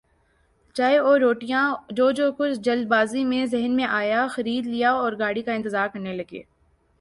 چائے اور روٹیاں جو جو کچھ جلد بازی میں ذہن میں آیا خرید لیااور گاڑی کا انتظار کرنے لگے ۔